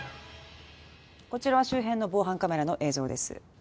こちらは周辺の防犯カメラの映像です